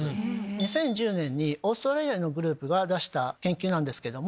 ２０１０年にオーストラリアのグループが出した研究なんですけども。